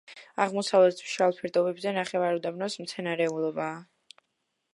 აღმოსავლეთ მშრალ ფერდობებზე ნახევარუდაბნოს მცენარეულობაა.